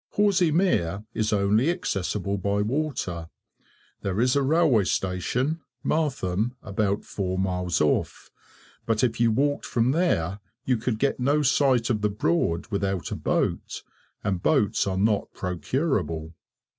Horsey Mere is only accessible by water. There is a railway station—Martham—about four miles off, but if you walked from there you could get no sight of the Broad without a boat, and boats are not procurable.